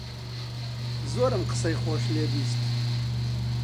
زۆرم قسەی خۆش لێ بیست